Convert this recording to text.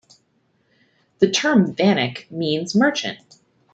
The term Vanik means merchant.